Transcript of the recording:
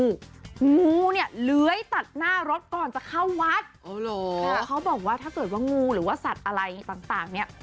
งูเนี่ยเลื้อยตัดหน้ารถก่อนจะเข้าวัดเขาบอกว่าถ้าเกิดว่างูหรือว่าสัตว์อะไรต่างเนี่ย